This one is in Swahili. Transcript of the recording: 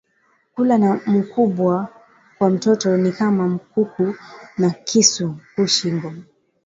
Kula na mukubwa kwa mtoto ni kama nkuku na kisu ku shingo